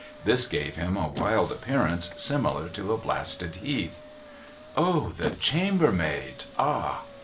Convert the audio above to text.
This gave him a wild appearance, similar to a blasted heath. ' O ! The chambermaid. Ah